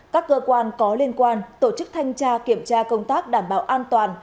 các cơ quan có liên quan tổ chức thanh tra kiểm tra công tác đảm bảo an toàn